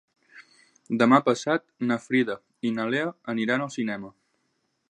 Demà passat na Frida i na Lea aniran al cinema.